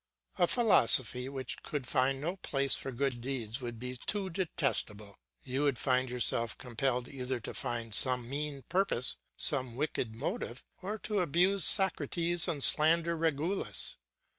A philosophy which could find no place for good deeds would be too detestable; you would find yourself compelled either to find some mean purpose, some wicked motive, or to abuse Socrates and slander Regulus.